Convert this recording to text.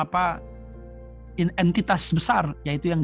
dan pada akhirnya terkristalisasi fusi ke dalam satu entitas besar yaitu bangsa